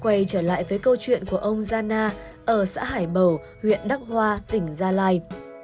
quay trở lại với câu chuyện của ông gian na ở xã hải bầu huyện đắc hoa tỉnh gia lai